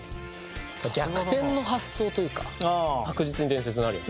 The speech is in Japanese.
逆転の発想というか確実に伝説になるやつ。